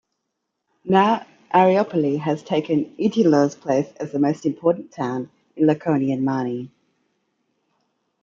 Now Areopoli has taken Oitylo's place as most important town in Laconian Mani.